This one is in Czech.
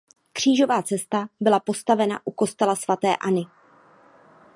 Křížová cesta byla postavena u kostela Svaté Anny.